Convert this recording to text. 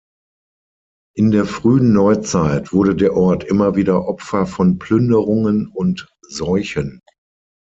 In der frühen Neuzeit wurde der Ort immer wieder Opfer von Plünderungen und Seuchen.